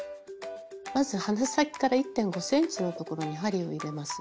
まず鼻先から１．５ｃｍのところに針を入れます。